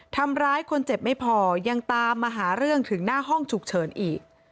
ทำร้ายคนเจ็บไม่พอยังตามมาหาเรื่องถึงหน้าห้องฉุกเฉินอีก